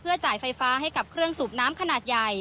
จ่ายไฟฟ้าให้กับเครื่องสูบน้ำขนาดใหญ่